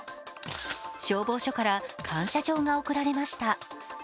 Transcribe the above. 消防署から感謝状が贈られました。